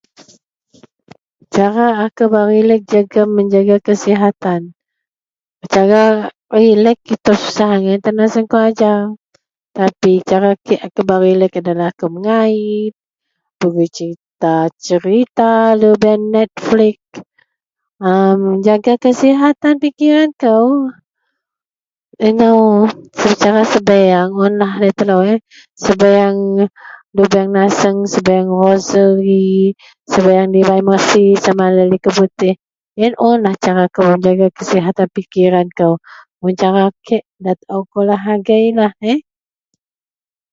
Cara akou bak relex jegem menjaga kesihatan. Cara relex itou susah angai tan naseng kou ajau tapi cara kek akou bak relex adalah akou mengait, pegui serita-serita lubeang neflix. A menjaga kesihatan tan pikiran kou, inou secara sebiyeang, munlah laei telou eheh sebiyeang lubeang naseng, sebiyeang rosari, sebiyeang Divine Mercy sama laei likou putih. Yen unlah cara kou ajau itou menjaga kesihatan pikiran kou. Mun cara kek ndalah akou taou agei. Yenlah eh.